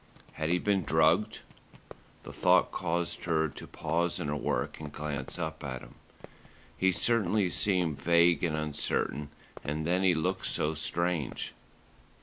Had he been drugged? The thought caused her to pause in her work and glance up at him. He certainly seemed vague and uncertain, and then he looked so strange.